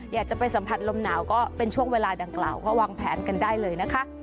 อยากจะไปสัมผัสลมหนาวก็เป็นช่วงเวลาดังกล่าวก็วางแผนกันได้เลยนะคะ